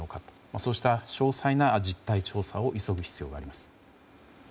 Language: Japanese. そうした詳細な実態調査を急ぐ必要があります。